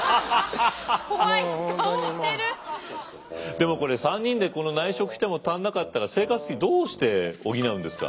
でもこれ３人でこの内職しても足んなかったら生活費どうして補うんですか？